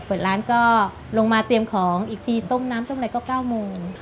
เปิดร้านก็ลงมาเตรียมของอีกทีต้มน้ำต้มอะไรก็๙โมง